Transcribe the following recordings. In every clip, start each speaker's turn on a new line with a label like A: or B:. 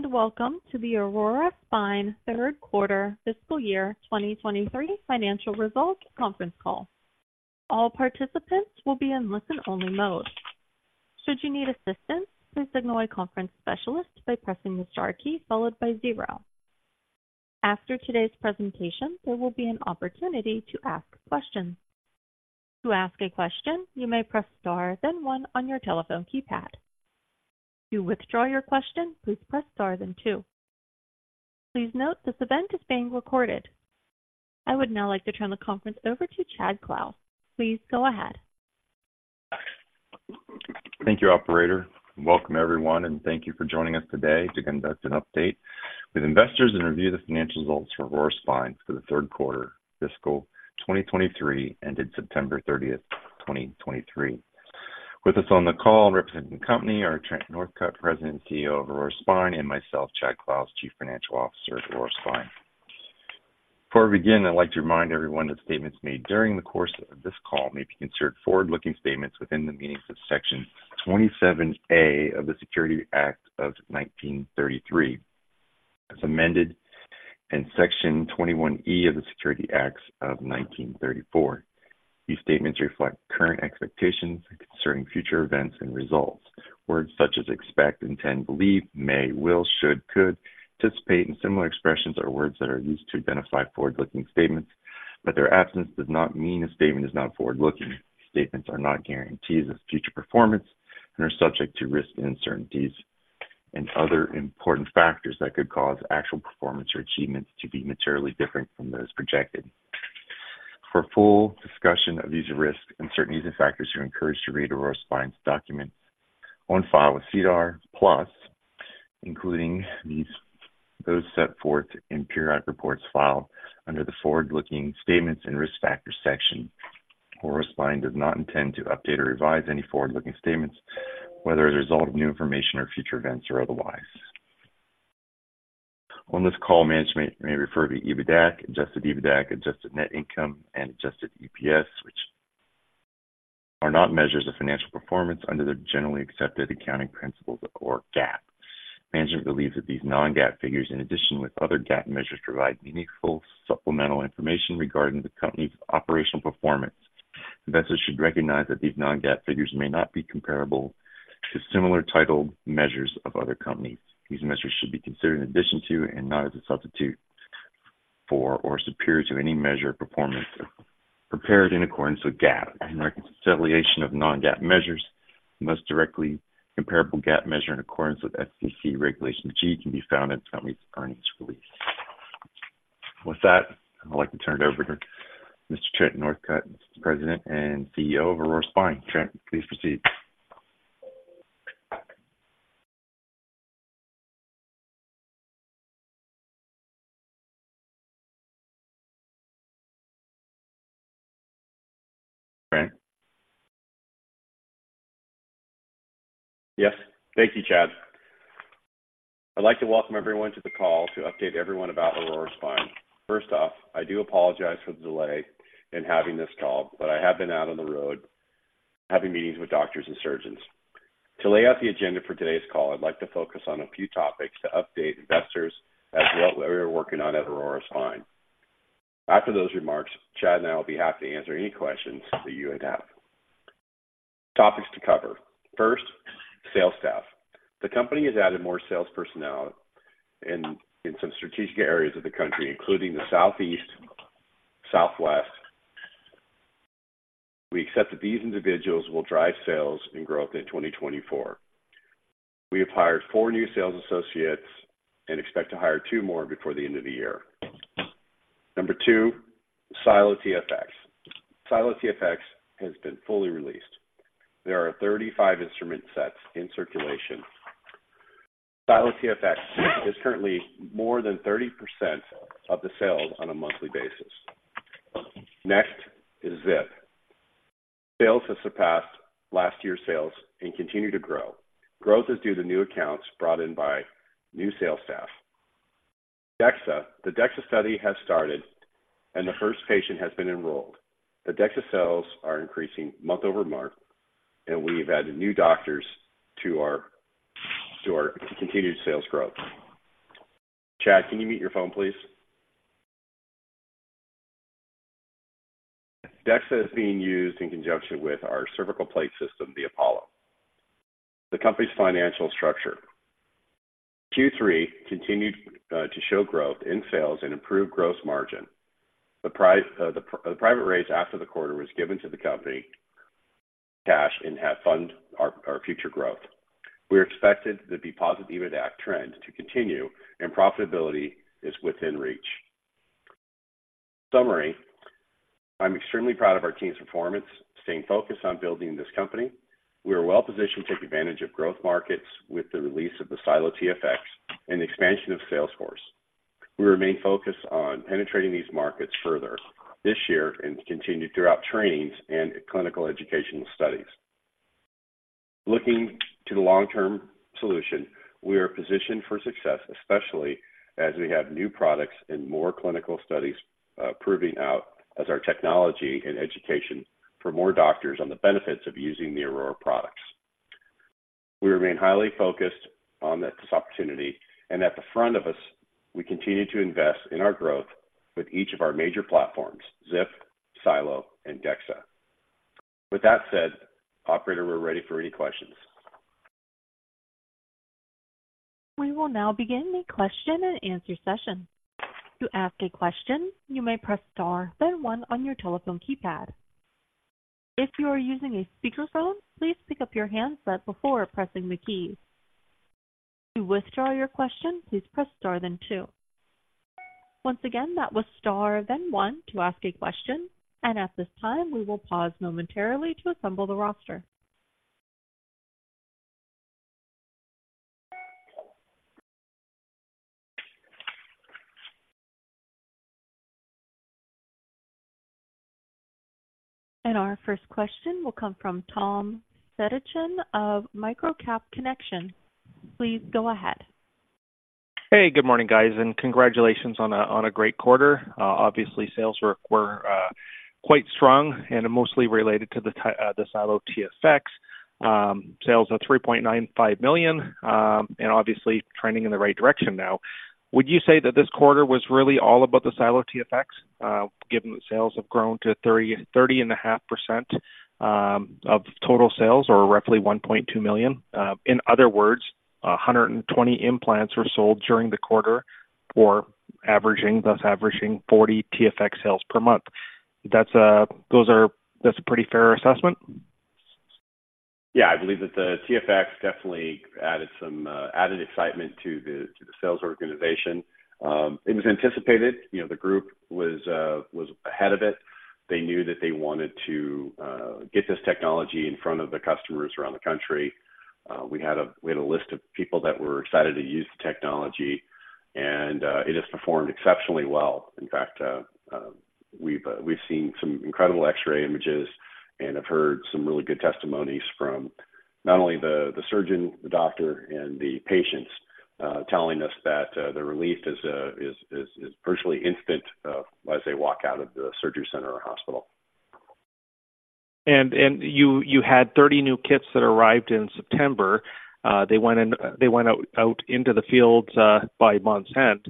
A: Good morning, and welcome to the Aurora Spine Third Quarter Fiscal Year 2023 Financial Results Conference Call. All participants will be in listen-only mode. Should you need assistance, please signal a conference specialist by pressing the star key followed by zero. After today's presentation, there will be an opportunity to ask questions. To ask a question, you may press star, then one on your telephone keypad. To withdraw your question, please press star, then two. Please note, this event is being recorded. I would now like to turn the conference over to Chad Clouse. Please go ahead.
B: Thank you, operator. Welcome, everyone, and thank you for joining us today to conduct an update with investors and review the financial results for Aurora Spine for the third quarter fiscal 2023, ended September 30, 2023. With us on the call representing the company are Trent Northcutt, President and CEO of Aurora Spine, and myself, Chad Clouse, Chief Financial Officer of Aurora Spine. Before we begin, I'd like to remind everyone that statements made during the course of this call may be considered forward-looking statements within the meanings of Section 27A of the Securities Act of 1933, as amended, and Section 21E of the Securities Exchange Act of 1934. These statements reflect current expectations concerning future events and results. Words such as expect, intend, believe, may, will, should, could, anticipate, and similar expressions are words that are used to identify forward-looking statements, but their absence does not mean a statement is not forward-looking. Statements are not guarantees of future performance and are subject to risks and uncertainties and other important factors that could cause actual performance or achievements to be materially different from those projected. For full discussion of these risks, uncertainties and factors, you're encouraged to read Aurora Spine's documents on file with SEDAR+, including these, those set forth in periodic reports filed under the Forward-Looking Statements and Risk Factors section. Aurora Spine does not intend to update or revise any forward-looking statements, whether as a result of new information or future events or otherwise. On this call, management may refer to EBITDA, adjusted EBITDA, adjusted net income, and adjusted EPS, which are not measures of financial performance under the generally accepted accounting principles or GAAP. Management believes that these non-GAAP figures, in addition with other GAAP measures, provide meaningful supplemental information regarding the company's operational performance. Investors should recognize that these non-GAAP figures may not be comparable to similar titled measures of other companies. These measures should be considered in addition to and not as a substitute for or superior to any measure of performance prepared in accordance with GAAP. Reconciliation of non-GAAP measures, the most directly comparable GAAP measure in accordance with SEC Regulation G, can be found in the company's earnings release. With that, I'd like to turn it over to Mr. Trent Northcutt, President and CEO of Aurora Spine. Trent, please proceed. Trent?
C: Yes. Thank you, Chad. I'd like to welcome everyone to the call to update everyone about Aurora Spine. First off, I do apologize for the delay in having this call, but I have been out on the road having meetings with doctors and surgeons. To lay out the agenda for today's call, I'd like to focus on a few topics to update investors as what we are working on at Aurora Spine. After those remarks, Chad and I will be happy to answer any questions that you may have. Topics to cover. First, sales staff. The company has added more sales personnel in some strategic areas of the country, including the Southeast, Southwest. We accept that these individuals will drive sales and growth in 2024. We have hired four new sales associates and expect to hire two more before the end of the year. Number two, SiLO TFX. SiLO TFX has been fully released. There are 35 instrument sets in circulation. SiLO TFX is currently more than 30% of the sales on a monthly basis. Next is ZIP. Sales have surpassed last year's sales and continue to grow. Growth is due to new accounts brought in by new sales staff. DEXA. The DEXA study has started, and the first patient has been enrolled. The DEXA sales are increasing month-over-month, and we've added new doctors to our continued sales growth. Chad, can you mute your phone, please? DEXA is being used in conjunction with our cervical plate system, the apollo. The company's financial structure. Q3 continued to show growth in sales and improved gross margin. The private raise after the quarter was given to the company cash and have fund our future growth. We are expected to be positive EBITDA trend to continue and profitability is within reach. Summary, I'm extremely proud of our team's performance, staying focused on building this company. We are well positioned to take advantage of growth markets with the release of the SiLO TFX and the expansion of sales force. We remain focused on penetrating these markets further this year and continue throughout trainings and clinical educational studies. Looking to the long-term solution, we are positioned for success, especially as we have new products and more clinical studies, proving out as our technology and education for more doctors on the benefits of using the Aurora products. We remain highly focused on this opportunity, and at the front of us, we continue to invest in our growth with each of our major platforms, ZIP, SiLO, and DEXA. With that said, operator, we're ready for any questions.
A: We will now begin the question and answer session. To ask a question, you may press star then one on your telephone keypad. If you are using a speakerphone, please pick up your handset before pressing the key. To withdraw your question, please press star then two. Once again, that was star then one to ask a question, and at this time, we will pause momentarily to assemble the roster. And our first question will come from Tom Fedichin of Microcap Connection. Please go ahead.
D: Hey, good morning, guys, and congratulations on a great quarter. Obviously, sales were quite strong and mostly related to the SiLO TFX sales of $3.95 million, and obviously trending in the right direction now. Would you say that this quarter was really all about the SiLO TFX, given that sales have grown to 30.5% of total sales, or roughly $1.2 million? In other words, 120 implants were sold during the quarter, thus averaging 40 TFX sales per month. That's a pretty fair assessment?
C: Yeah, I believe that the TFX definitely added some added excitement to the sales organization. It was anticipated, you know, the group was ahead of it. They knew that they wanted to get this technology in front of the customers around the country. We had a list of people that were excited to use the technology, and it has performed exceptionally well. In fact, we've seen some incredible X-ray images and have heard some really good testimonies from not only the surgeon, the doctor, and the patients telling us that the relief is virtually instant as they walk out of the surgery center or hospital.
D: You had 30 new kits that arrived in September. They went out into the field by month's end.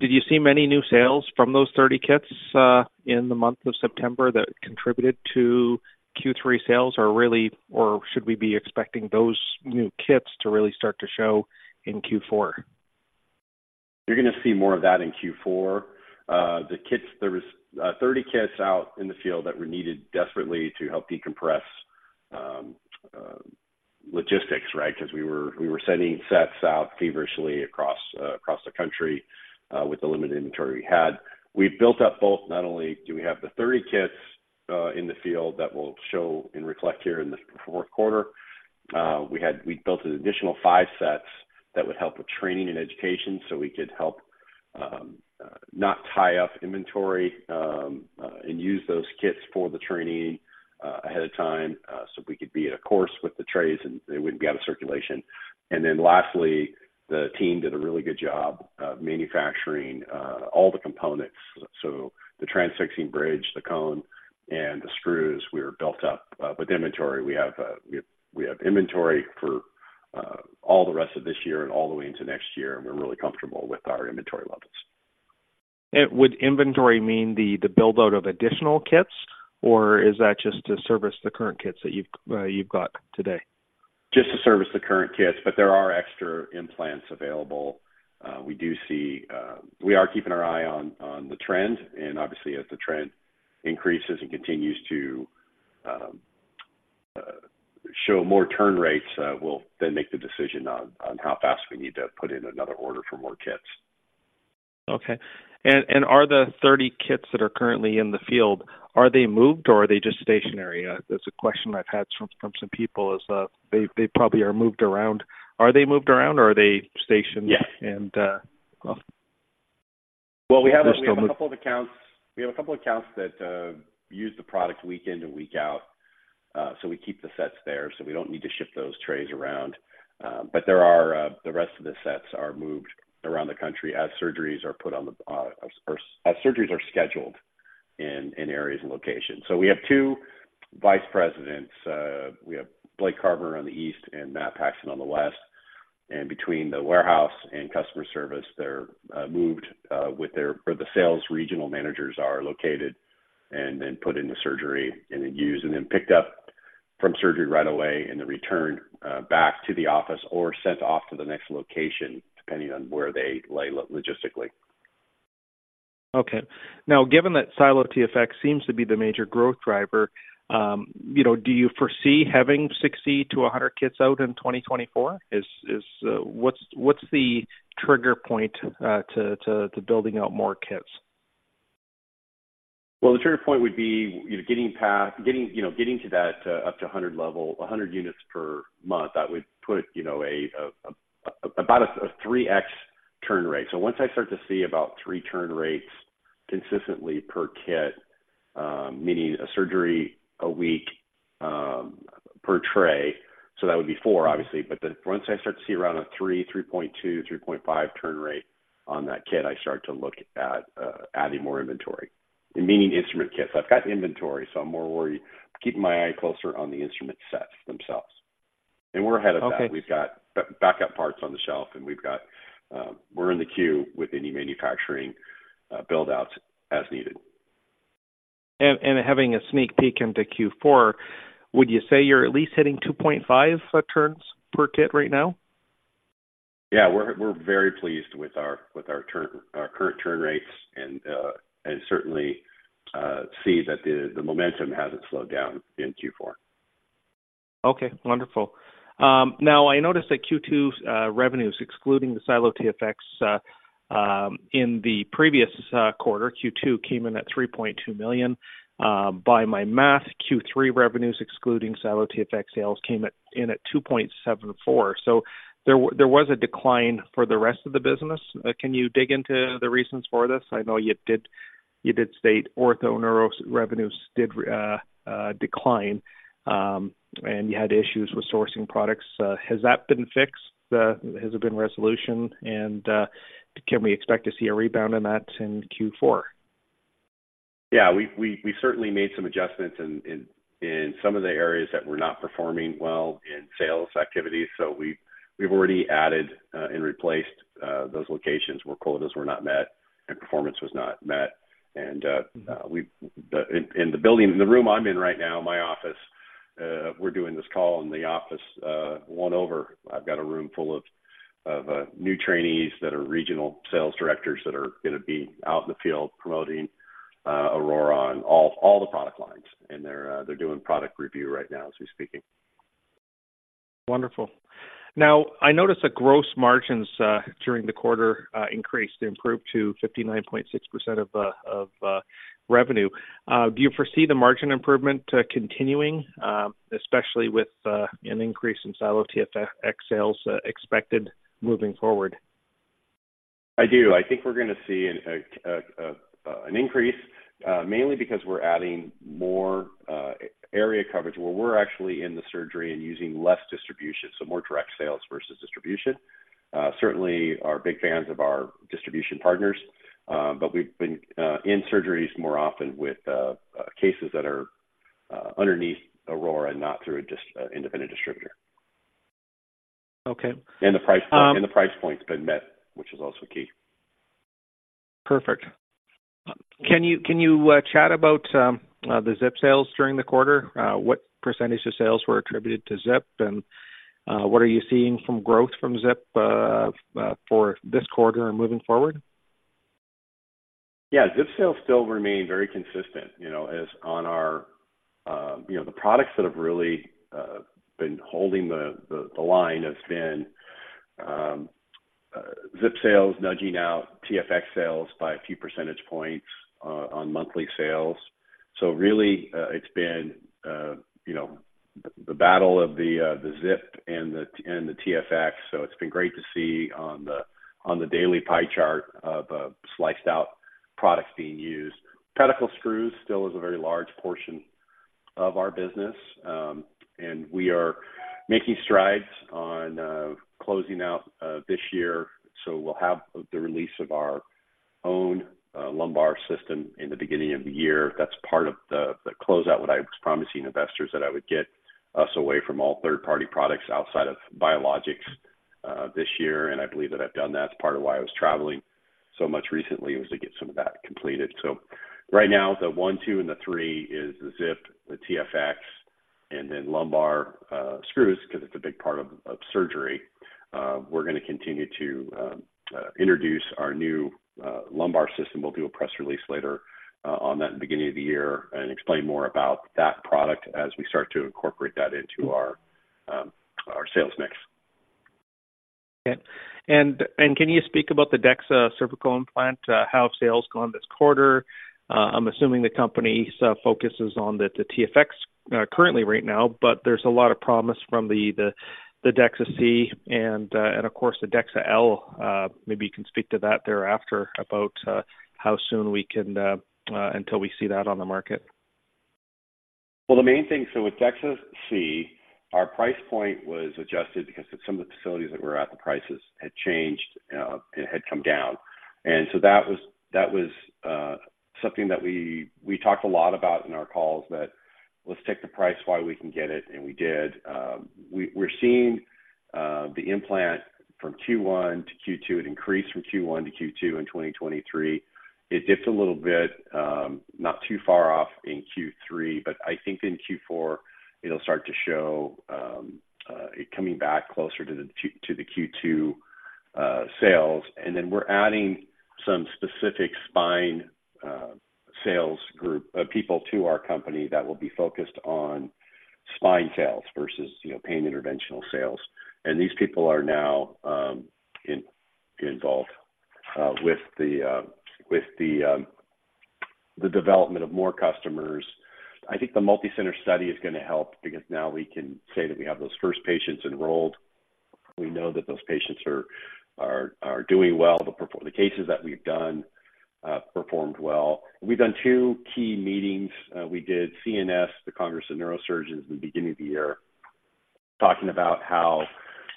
D: Did you see many new sales from those 30 kits in the month of September that contributed to Q3 sales? Or should we be expecting those new kits to really start to show in Q4?
C: You're gonna see more of that in Q4. The kits, there was 30 kits out in the field that were needed desperately to help decompress logistics, right? Because we were sending sets out feverishly across the country with the limited inventory we had. We built up both. Not only do we have the 30 kits in the field that will show and reflect here in the fourth quarter, we built an additional five sets that would help with training and education, so we could help not tie up inventory and use those kits for the training ahead of time, so we could be at a course with the trays, and they wouldn't be out of circulation. Then lastly, the team did a really good job of manufacturing all the components. So the transecting bridge, the cone, and the screws. We are built up with inventory. We have inventory for all the rest of this year and all the way into next year, and we're really comfortable with our inventory levels.
D: Would inventory mean the build-out of additional kits, or is that just to service the current kits that you've got today?
C: Just to service the current kits, but there are extra implants available. We do see. We are keeping our eye on the trend, and obviously, as the trend increases and continues to show more turn rates, we'll then make the decision on how fast we need to put in another order for more kits.
D: Okay. And are the 30 kits that are currently in the field, are they moved or are they just stationary? That's a question I've had from some people. They probably are moved around. Are they moved around or are they stationed?
C: Yes.
D: And, well-
C: Well, we have a couple accounts that use the product week in and week out, so we keep the sets there, so we don't need to ship those trays around. But there are the rest of the sets are moved around the country as surgeries are put on the or as surgeries are scheduled in areas and locations. So we have two vice presidents, Blake Carver on the East and Matt Paxton on the West, and between the warehouse and customer service, they're moved where the sales regional managers are located and then put into surgery and then used and then picked up from surgery right away, and then returned back to the office or sent off to the next location, depending on where they lie logistically.
D: Okay. Now, given that SiLO TFX seems to be the major growth driver, you know, do you foresee having 60 to 100 kits out in 2024? Is... What's the trigger point to building out more kits?
C: Well, the trigger point would be, you know, getting to that up to 100 level, 100 units per month. That would put, you know, about a 3x turn rate. So once I start to see about three turn rates consistently per kit, meaning a surgery a week per tray, so that would be four, obviously. But then once I start to see around a 3, 3.2, 3.5 turn rate on that kit, I start to look at adding more inventory. Meaning instrument kits. I've got inventory, so I'm more worried, keeping my eye closer on the instrument sets themselves. And we're ahead of that.
D: Okay.
C: We've got backup parts on the shelf, and we've got, we're in the queue with any manufacturing buildouts as needed.
D: And having a sneak peek into Q4, would you say you're at least hitting 2.5 turns per kit right now?
C: Yeah, we're very pleased with our current turn rates and certainly see that the momentum hasn't slowed down in Q4.
D: Okay, wonderful. Now I noticed that Q2's revenues, excluding the SiLO TFX, in the previous quarter, Q2, came in at $3.2 million. By my math, Q3 revenues, excluding SiLO TFX sales, came in at $2.74 million. So there was a decline for the rest of the business. Can you dig into the reasons for this? I know you did, you did state ortho neuro's revenues did decline, and you had issues with sourcing products. Has that been fixed? Has there been resolution, and can we expect to see a rebound in that in Q4?
C: Yeah, we certainly made some adjustments in some of the areas that were not performing well in sales activities. So we've already added and replaced those locations where quotas were not met and performance was not met. And we're in the building, in the room I'm in right now, my office. We're doing this call in the office one over. I've got a room full of new trainees that are regional sales directors that are gonna be out in the field promoting Aurora and all the product lines. And they're doing product review right now as we're speaking.
D: Wonderful. Now, I noticed that gross margins during the quarter increased, improved to 59.6% of revenue. Do you foresee the margin improvement continuing, especially with an increase in SiLO TFX sales expected moving forward?
C: I do. I think we're gonna see an increase, mainly because we're adding more area coverage where we're actually in the surgery and using less distribution, so more direct sales versus distribution. We certainly are big fans of our distribution partners, but we've been in surgeries more often with cases that are underneath Aurora and not through an independent distributor.
D: Okay, um-
C: The price point, and the price point's been met, which is also key.
D: Perfect. Can you chat about the ZIP sales during the quarter? What percentage of sales were attributed to ZIP, and what are you seeing from growth from ZIP for this quarter and moving forward?
C: Yeah, ZIP sales still remain very consistent, you know, as on our... You know, the products that have really been holding the line has been ZIP sales nudging out TFX sales by a few percentage points on monthly sales. So really, it's been you know, the battle of the ZIP and the TFX. So it's been great to see on the daily pie chart of sliced out products being used. Pedicle screws still is a very large portion of our business, and we are making strides on closing out this year. So we'll have the release of our own lumbar system in the beginning of the year. That's part of the closeout, what I was promising investors, that I would get us away from all third-party products outside of biologics, this year. And I believe that I've done that. It's part of why I was traveling so much recently, was to get some of that completed. So right now, the one, two, and the three is the Zip, the TFX, and then lumbar screws, 'cause it's a big part of surgery. We're gonna continue to introduce our new lumbar system. We'll do a press release later on that beginning of the year and explain more about that product as we start to incorporate that into our sales mix.
D: Okay. And can you speak about the DEXA cervical implant, how have sales gone this quarter? I'm assuming the company's focus is on the TFX currently right now, but there's a lot of promise from the DEXA-C and, of course, the DEXA-L. Maybe you can speak to that thereafter, about how soon we can until we see that on the market.
C: Well, the main thing, so with DEXA-C, our price point was adjusted because of some of the facilities that were at the prices had changed, and had come down. And so that was something that we talked a lot about in our calls, that let's take the price while we can get it, and we did. We're seeing the implant from Q1 to Q2, it increased from Q1 to Q2 in 2023. It dipped a little bit, not too far off in Q3, but I think in Q4 it'll start to show it coming back closer to the Q2 sales. And then we're adding some specific spine sales group people to our company that will be focused on spine sales versus, you know, pain interventional sales. These people are now involved with the development of more customers. I think the multicenter study is gonna help because now we can say that we have those first patients enrolled. We know that those patients are doing well. The cases that we've done performed well. We've done two key meetings. We did CNS, the Congress of Neurosurgeons, in the beginning of the year, talking about how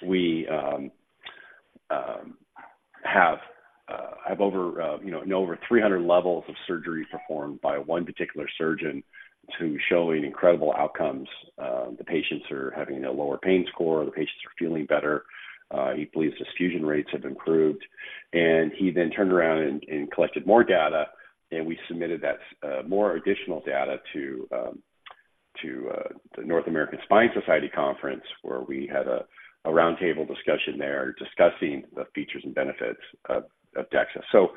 C: we have over, you know, over 300 levels of surgery performed by one particular surgeon who's showing incredible outcomes. The patients are having a lower pain score, the patients are feeling better. He believes his fusion rates have improved. And he then turned around and collected more data, and we submitted that, more additional data to, the North American Spine Society Conference, where we had a roundtable discussion there discussing the features and benefits of DEXA. So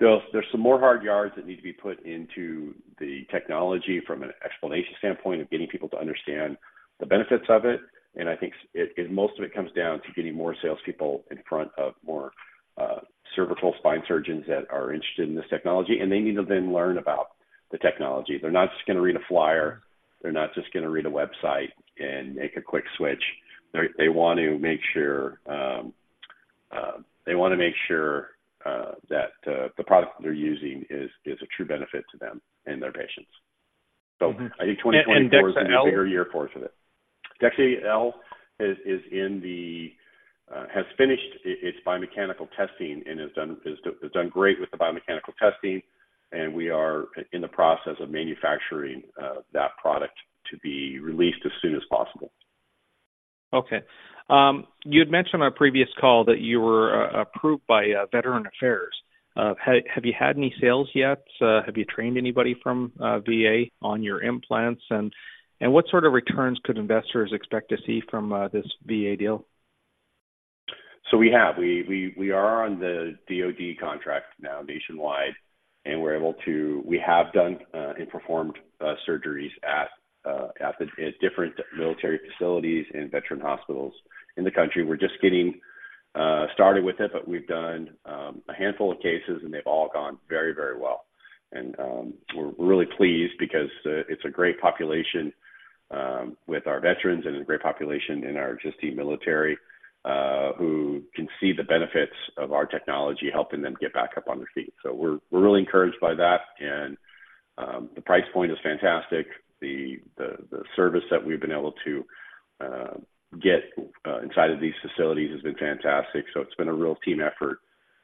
C: there's some more hard yards that need to be put into the technology from an explanation standpoint of getting people to understand the benefits of it. And I think most of it comes down to getting more salespeople in front of more, cervical spine surgeons that are interested in this technology, and they need to then learn about the technology. They're not just going to read a flyer. They're not just going to read a website and make a quick switch. They want to make sure that the product they're using is a true benefit to them and their patients.
D: Mm-hmm.
C: So I think 2024-
D: And DEXA-L?...
C: is a bigger year for it. DEXA-L has finished its biomechanical testing and has done great with the biomechanical testing, and we are in the process of manufacturing that product to be released as soon as possible.
D: Okay. You had mentioned on a previous call that you were approved by Veterans Affairs. Have you had any sales yet? Have you trained anybody from VA on your implants? And what sort of returns could investors expect to see from this VA deal?
C: We are on the DoD contract now nationwide, and we're able to... we have done and performed surgeries at different military facilities and veteran hospitals in the country. We're just getting started with it, but we've done a handful of cases, and they've all gone very, very well. And we're really pleased because it's a great population with our veterans and a great population in our just the military who can see the benefits of our technology, helping them get back up on their feet. So we're really encouraged by that, and the price point is fantastic. The service that we've been able to get inside of these facilities has been fantastic. So it's been a real team effort,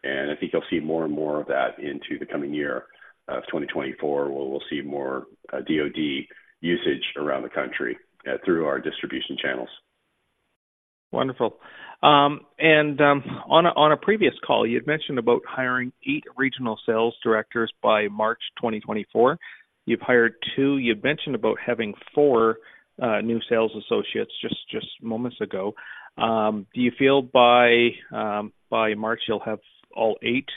C: and I think you'll see more and more of that into the coming year of 2024, where we'll see more DoD usage around the country through our distribution channels.
D: Wonderful. And on a previous call, you had mentioned about hiring eight regional sales directors by March 2024. You've hired two. You've mentioned about having four new sales associates just moments ago. Do you feel by March, you'll have all eight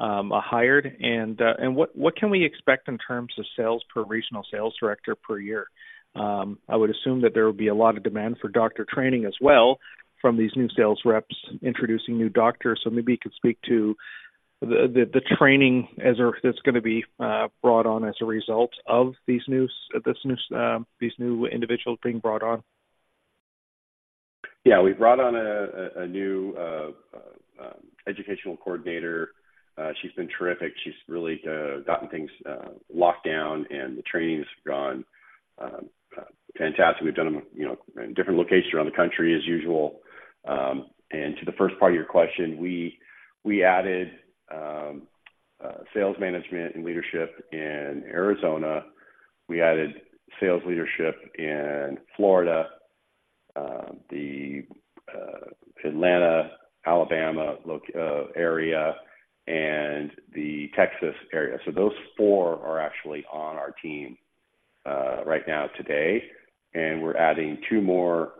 D: hired? And what can we expect in terms of sales per regional sales director per year? I would assume that there will be a lot of demand for doctor training as well from these new sales reps introducing new doctors. So maybe you could speak to the training as it's gonna be brought on as a result of these new individuals being brought on.
C: Yeah. We've brought on a new educational coordinator. She's been terrific. She's really gotten things locked down, and the training has gone fantastic. We've done them, you know, in different locations around the country as usual. And to the first part of your question, we added sales management and leadership in Arizona. We added sales leadership in Florida, the Atlanta, Alabama area, and the Texas area. So those four are actually on our team right now today, and we're adding two more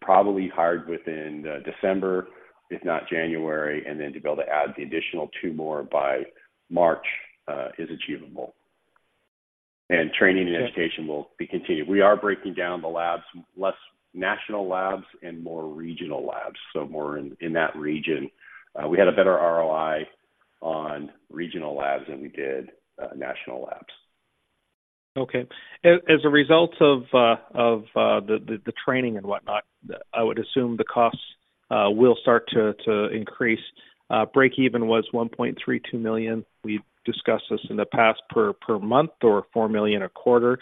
C: probably hired within December, if not January, and then to be able to add the additional two more by March is achievable. And training and education-
D: Yes....
C: will be continued. We are breaking down the labs, less national labs and more regional labs, so more in that region. We had a better ROI on regional labs than we did national labs.
D: Okay. As a result of the training and whatnot, I would assume the costs will start to increase. Break even was $1.32 million. We've discussed this in the past per month or $4 million a quarter.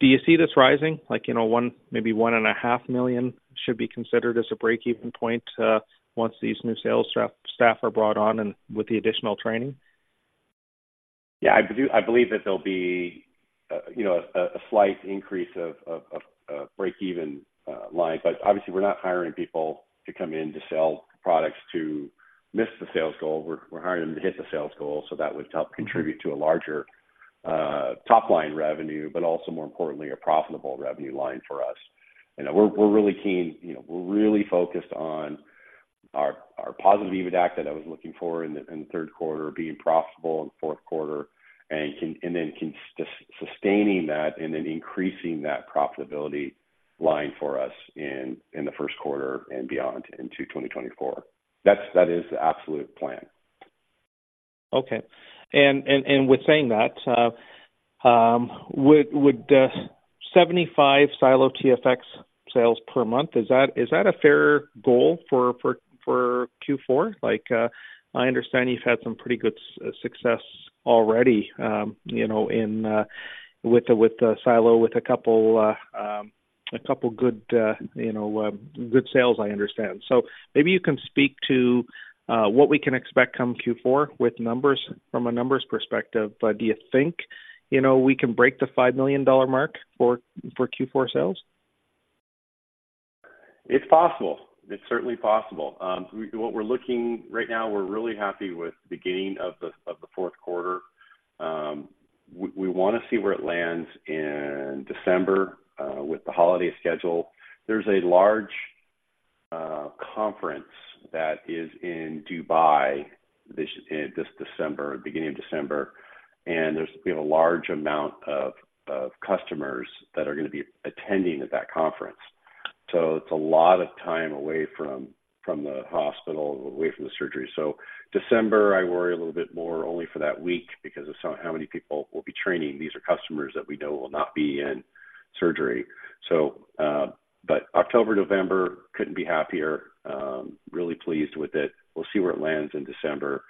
D: Do you see this rising? Like, you know, one, maybe $1.5 million should be considered as a break-even point once these new sales rep staff are brought on and with the additional training?
C: Yeah. I do, I believe that there'll be, you know, a slight increase of break-even line, but obviously, we're not hiring people to come in to sell products to miss the sales goal. We're hiring them to hit the sales goal, so that would help contribute to a larger top-line revenue, but also more importantly, a profitable revenue line for us. You know, we're really keen, you know, we're really focused on our positive EBITDA that I was looking for in the third quarter, being profitable in the fourth quarter, and then sustaining that and then increasing that profitability line for us in the first quarter and beyond into 2024. That's, that is the absolute plan.
D: Okay. With saying that, would 75 SiLO TFX sales per month, is that a fair goal for Q4? Like, I understand you've had some pretty good success already, you know, in with the SiLO, with a couple good, you know, good sales, I understand. So maybe you can speak to what we can expect come Q4 with numbers, from a numbers perspective, but do you think, you know, we can break the $5 million mark for Q4 sales?
C: It's possible. It's certainly possible. What we're looking at right now, we're really happy with the beginning of the fourth quarter. We wanna see where it lands in December, with the holiday schedule. There's a large conference that is in Dubai this December, beginning of December, and we have a large amount of customers that are gonna be attending at that conference. So it's a lot of time away from the hospital, away from the surgery. So December, I worry a little bit more only for that week because of how many people will be training. These are customers that we know will not be in surgery. So, but October, November, couldn't be happier, really pleased with it. We'll see where it lands in December.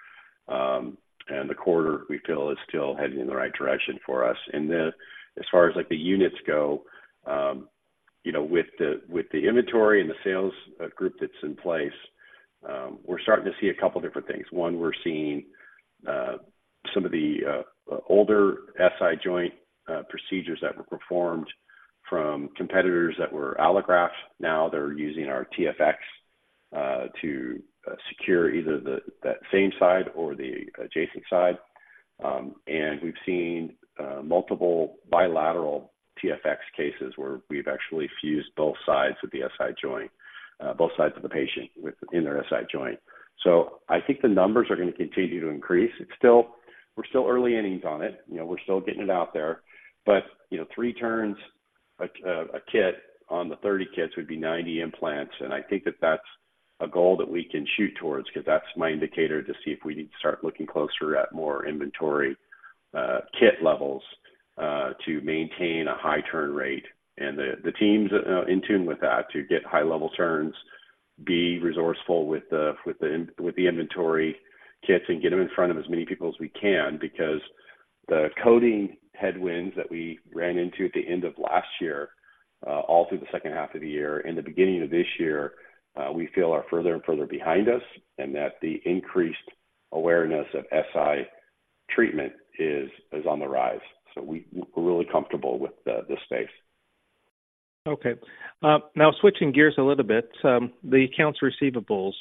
C: And the quarter, we feel, is still heading in the right direction for us. And as far as, like, the units go, you know, with the inventory and the sales group that's in place, we're starting to see a couple different things. One, we're seeing some of the older SI joint procedures that were performed from competitors that were allograft. Now they're using our TFX to secure either that same side or the adjacent side. And we've seen multiple bilateral TFX cases, where we've actually fused both sides of the SI joint, both sides of the patient with, in their SI joint. So I think the numbers are gonna continue to increase. It's still, we're still early innings on it, you know, we're still getting it out there. But, you know, three turns, like, a kit on the 30 kits would be 90 implants, and I think that that's a goal that we can shoot towards because that's my indicator to see if we need to start looking closer at more inventory, kit levels, to maintain a high turn rate. And the team's in tune with that, to get high-level turns, be resourceful with the inventory kits, and get them in front of as many people as we can, because the coding headwinds that we ran into at the end of last year, all through the second half of the year and the beginning of this year, we feel are further and further behind us, and that the increased awareness of SI treatment is on the rise. So we're really comfortable with the space.
D: Okay. Now switching gears a little bit. The accounts receivables,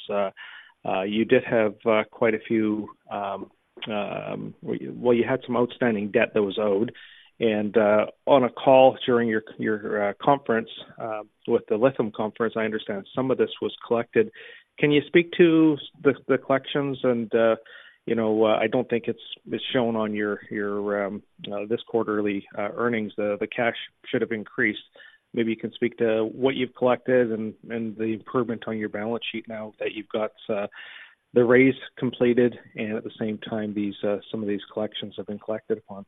D: you did have quite a few... Well, you had some outstanding debt that was owed. And, on a call during your conference, with the Lytham conference, I understand some of this was collected. Can you speak to the collections? And, you know, I don't think it's shown on your this quarterly earnings. The cash should have increased. Maybe you can speak to what you've collected and the improvement on your balance sheet now that you've got the raise completed, and at the same time, these some of these collections have been collected upon.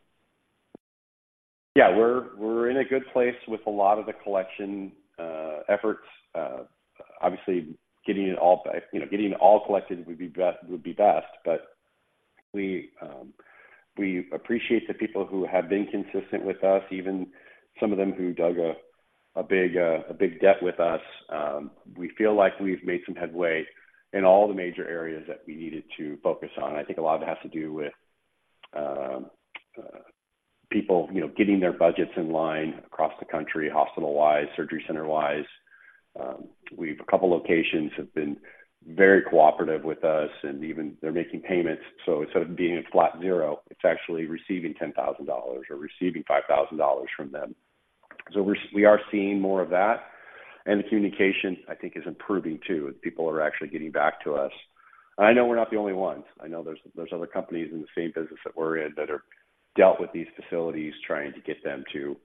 C: Yeah, we're in a good place with a lot of the collection efforts. Obviously, getting it all, you know, getting it all collected would be best, would be best. But we appreciate the people who have been consistent with us, even some of them who dug a big debt with us. We feel like we've made some headway in all the major areas that we needed to focus on. I think a lot of it has to do with people, you know, getting their budgets in line across the country, hospital-wise, surgery center-wise. We've a couple locations have been very cooperative with us, and even they're making payments. So instead of being a flat zero, it's actually receiving $10,000 or receiving $5,000 from them. So we're seeing more of that, and the communication, I think, is improving too, and people are actually getting back to us. I know we're not the only ones. I know there's other companies in the same business that we're in that are dealing with these facilities, trying to get them to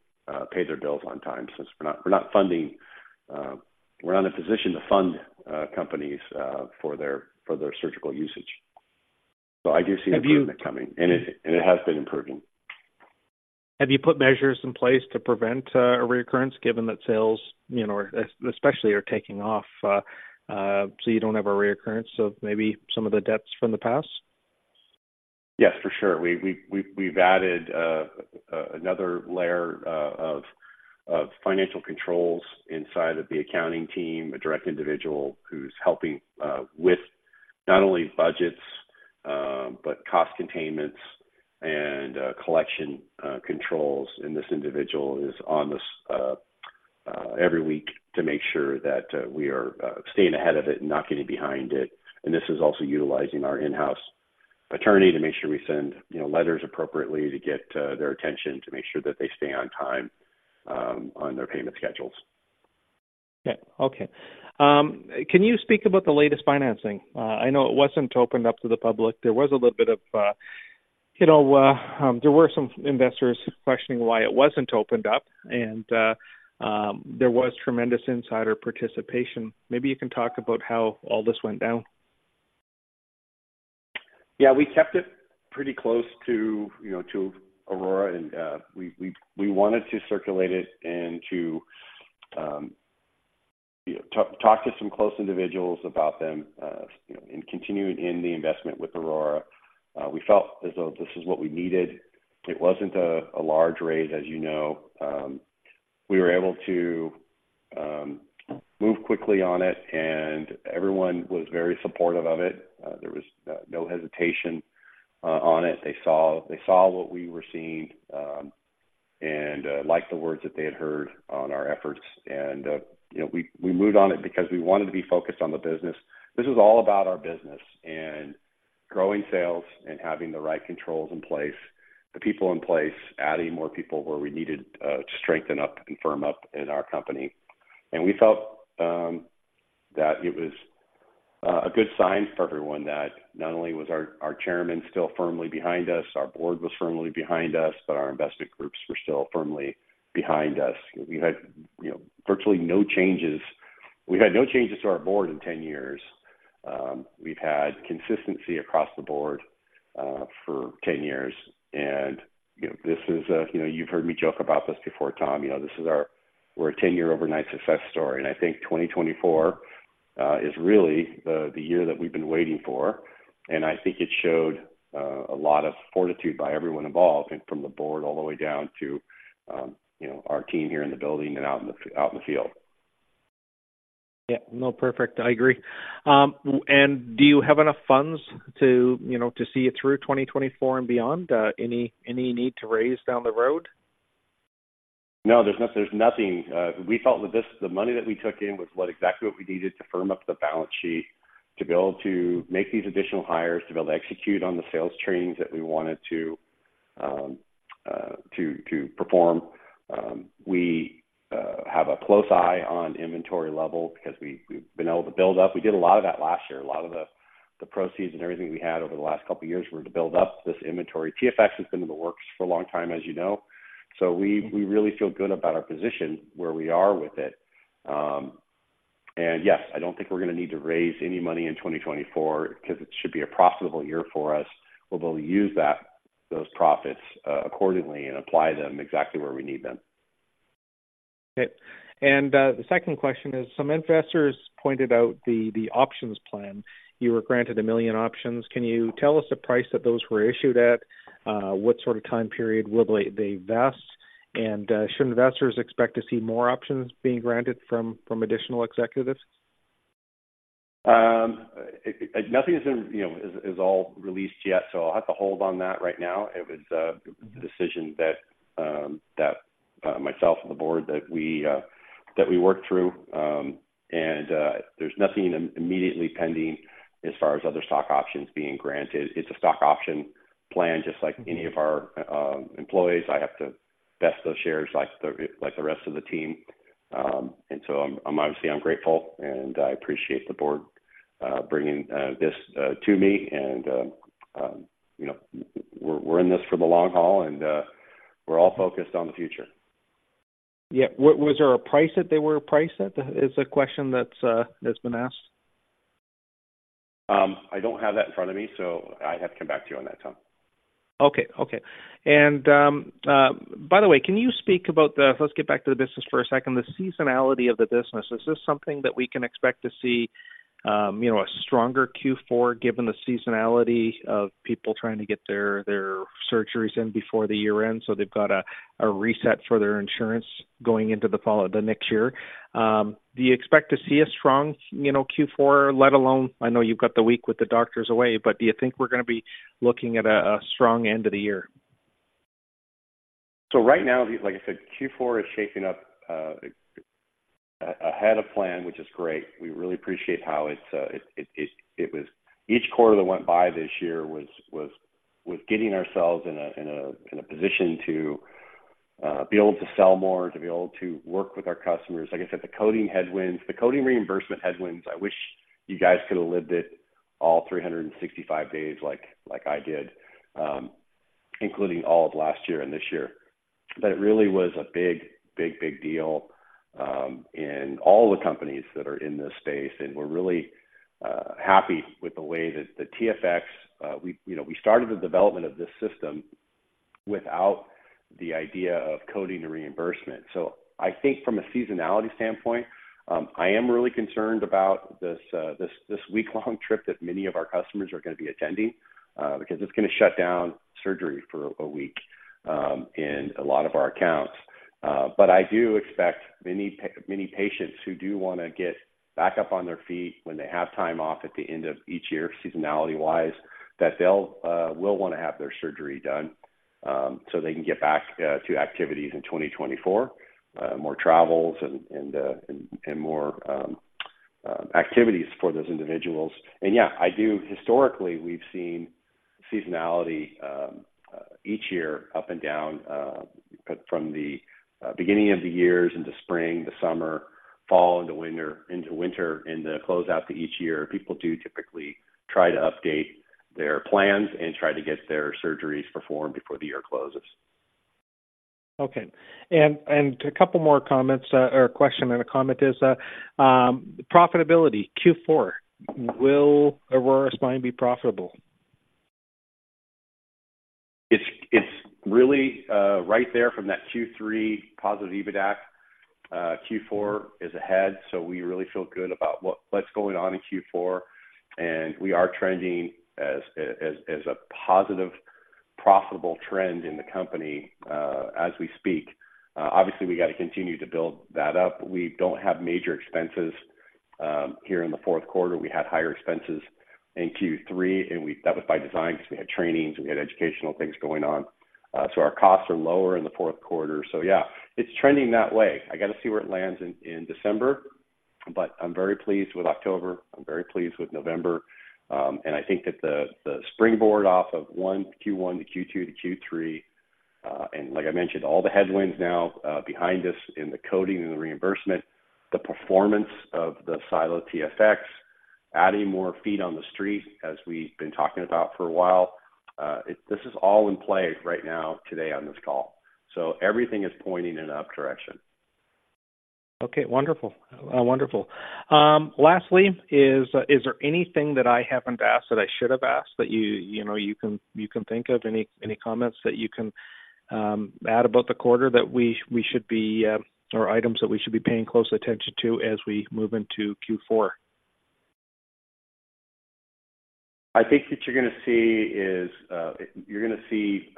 C: pay their bills on time, since we're not funding, we're not in a position to fund companies for their surgical usage. So I do see improvement coming, and it has been improving.
D: Have you put measures in place to prevent a reoccurrence, given that sales, you know, especially are taking off, so you don't have a reoccurrence of maybe some of the debts from the past?
C: Yes, for sure. We've added another layer of financial controls inside of the accounting team, a direct individual who's helping with not only budgets, but cost containments and collection controls. And this individual is on this every week to make sure that we are staying ahead of it and not getting behind it. And this is also utilizing our in-house attorney to make sure we send, you know, letters appropriately to get their attention, to make sure that they stay on time on their payment schedules.
D: Yeah. Okay. Can you speak about the latest financing? I know it wasn't opened up to the public. There was a little bit of, you know, there were some investors questioning why it wasn't opened up, and there was tremendous insider participation. Maybe you can talk about how all this went down.
C: Yeah, we kept it pretty close to, you know, to Aurora, and we wanted to circulate it and to talk to some close individuals about them and continuing in the investment with Aurora. We felt as though this is what we needed. It wasn't a large raise, as you know. We were able to move quickly on it, and everyone was very supportive of it. There was no hesitation on it. They saw what we were seeing and liked the words that they had heard on our efforts. And, you know, we moved on it because we wanted to be focused on the business. This is all about our business and growing sales and having the right controls in place, the people in place, adding more people where we needed to strengthen up and firm up in our company. We felt that it was a good sign for everyone that not only was our chairman still firmly behind us, our board was firmly behind us, but our invested groups were still firmly behind us. We had, you know, virtually no changes. We've had no changes to our board in 10 years. We've had consistency across the board for 10 years. And, you know, this is, you know, you've heard me joke about this before, Tom. You know, this is our—we're a ten-year overnight success story, and I think 2024 is really the year that we've been waiting for. And I think it showed a lot of fortitude by everyone involved, and from the board all the way down to, you know, our team here in the building and out in the field.
D: Yeah. No, perfect. I agree. And do you have enough funds to, you know, to see it through 2024 and beyond? Any need to raise down the road?
C: No, there's no—there's nothing. We felt that this, the money that we took in was what exactly what we needed to firm up the balance sheet, to be able to make these additional hires, to be able to execute on the sales trainings that we wanted to, to perform. We have a close eye on inventory level because we've been able to build up. We did a lot of that last year. A lot of the, the proceeds and everything we had over the last couple of years were to build up this inventory. TFX has been in the works for a long time, as you know, so we-
D: Mm-hmm....
C: we really feel good about our position, where we are with it. And yes, I don't think we're going to need to raise any money in 2024 because it should be a profitable year for us. We'll be able to use that, those profits, accordingly and apply them exactly where we need them.
D: Okay. And, the second question is, some investors pointed out the options plan. You were granted a million options. Can you tell us the price that those were issued at? What sort of time period will they vest? And, should investors expect to see more options being granted from additional executives?
C: Nothing is, you know, all released yet, so I'll have to hold on that right now. It was a decision that, myself and the board, that we worked through. There's nothing immediately pending as far as other stock options being granted. It's a stock option plan just like-
D: Mm-hmm....
C: any of our employees. I have to vest those shares like the rest of the team. And so I'm obviously grateful, and I appreciate the board bringing this to me, and you know, we're in this for the long haul, and we're all focused on the future.
D: Yeah. Was there a price that they were priced at? It's a question that's been asked.
C: I don't have that in front of me, so I'd have to come back to you on that, Tom.
D: By the way, can you speak about the... Let's get back to the business for a second, the seasonality of the business. Is this something that we can expect to see, you know, a stronger Q4, given the seasonality of people trying to get their surgeries in before the year end, so they've got a reset for their insurance going into the fall of the next year? Do you expect to see a strong, you know, Q4, let alone I know you've got the week with the doctors away, but do you think we're going to be looking at a strong end of the year?
C: So right now, like I said, Q4 is shaping up ahead of plan, which is great. We really appreciate how it was each quarter that went by this year was getting ourselves in a position to be able to sell more, to be able to work with our customers. Like I said, the coding headwinds, the coding reimbursement headwinds, I wish you guys could have lived it all 365 days like I did, including all of last year and this year. But it really was a big, big, big deal in all the companies that are in this space, and we're really happy with the way that the TFX, we, you know, we started the development of this system without the idea of coding the reimbursement. So I think from a seasonality standpoint, I am really concerned about this week-long trip that many of our customers are going to be attending, because it's going to shut down surgery for a week in a lot of our accounts. But I do expect many patients who do want to get back up on their feet when they have time off at the end of each year, seasonality-wise, that they'll, will want to have their surgery done, so they can get back to activities in 2024. More travels and more activities for those individuals. Yeah, I do. Historically, we've seen seasonality each year, up and down, but from the beginning of the years into spring, the summer, fall into winter, into winter, and the closeout to each year, people do typically try to update their plans and try to get their surgeries performed before the year closes.
D: Okay. And a couple more comments or a question and a comment is profitability, Q4, will Aurora Spine be profitable?
C: It's really right there from that Q3 positive EBITDA. Q4 is ahead, so we really feel good about what's going on in Q4, and we are trending as a positive, profitable trend in the company, as we speak. Obviously, we got to continue to build that up. We don't have major expenses here in the fourth quarter. We had higher expenses in Q3, and that was by design because we had trainings, we had educational things going on. So our costs are lower in the fourth quarter. So yeah, it's trending that way. I got to see where it lands in December, but I'm very pleased with October, I'm very pleased with November. And I think that the springboard off of Q1 to Q2 to Q3, and like I mentioned, all the headwinds now behind us in the coding and the reimbursement, the performance of the SiLO TFX, adding more feet on the street, as we've been talking about for a while. This is all in play right now, today on this call. So everything is pointing in an up direction.
D: Okay, wonderful. Wonderful. Lastly, is there anything that I haven't asked that I should have asked that you, you know, you can think of? Any comments that you can add about the quarter that we should be or items that we should be paying close attention to as we move into Q4?
C: I think what you're gonna see is you're gonna see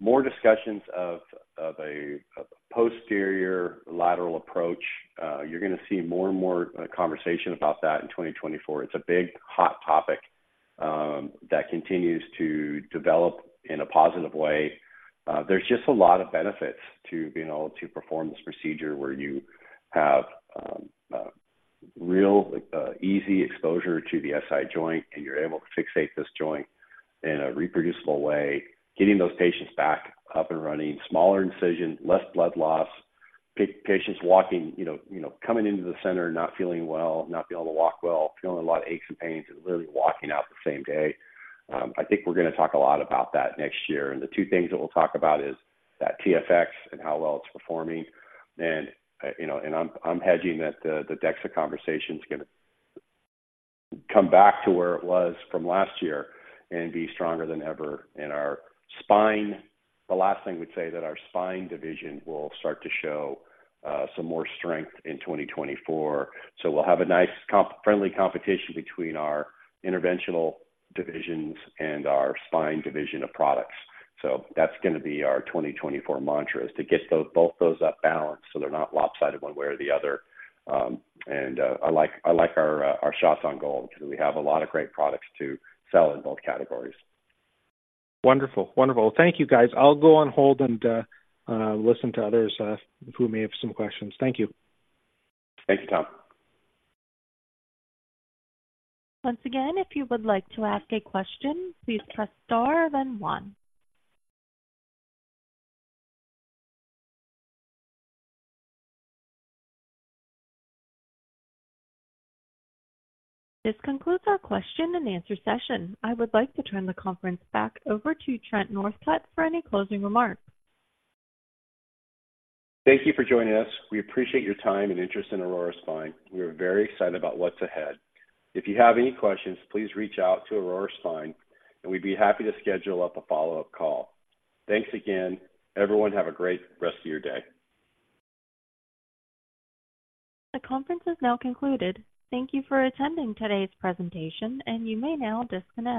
C: more discussions of a posterior lateral approach. You're gonna see more and more conversation about that in 2024. It's a big, hot topic that continues to develop in a positive way. There's just a lot of benefits to being able to perform this procedure, where you have a real easy exposure to the SI joint, and you're able to fixate this joint in a reproducible way, getting those patients back up and running, smaller incision, less blood loss, patients walking, you know, you know, coming into the center, not feeling well, not being able to walk well, feeling a lot of aches and pains, and literally walking out the same day. I think we're gonna talk a lot about that next year. The two things that we'll talk about is that TFX and how well it's performing. You know, I'm hedging that the DEXA conversation is gonna come back to where it was from last year and be stronger than ever. And our spine, the last thing we'd say that our spine division will start to show some more strength in 2024. So we'll have a nice comp- friendly competition between our interventional divisions and our spine division of products. So that's gonna be our 2024 mantra, is to get both those up balanced so they're not lopsided one way or the other. I like our shots on goal because we have a lot of great products to sell in both categories.
D: Wonderful. Wonderful. Thank you, guys. I'll go on hold and listen to others who may have some questions. Thank you.
C: Thank you, Tom.
A: Once again, if you would like to ask a question, please press star then one. This concludes our question and answer session. I would like to turn the conference back over to Trent Northcutt for any closing remarks.
C: Thank you for joining us. We appreciate your time and interest in Aurora Spine. We are very excited about what's ahead. If you have any questions, please reach out to Aurora Spine, and we'd be happy to schedule up a follow-up call. Thanks again. Everyone, have a great rest of your day.
A: The conference is now concluded. Thank you for attending today's presentation, and you may now disconnect.